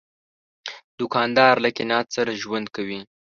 دوکاندار له قناعت سره ژوند کوي.